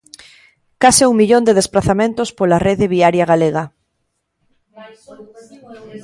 Case un millón de desprazamentos pola rede viaria galega.